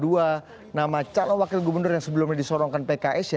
dua nama calon wakil gubernur yang sebelumnya disorongkan pks ya